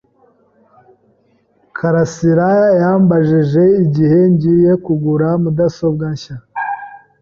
Karasirayambajije igihe ngiye kugura mudasobwa nshya.